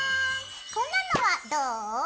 こんなのはどう？